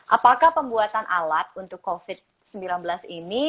apakah pembuatan alat untuk covid sembilan belas ini